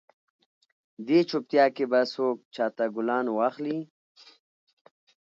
دې چوپیتا کې به څوک چاته ګلان واخلي؟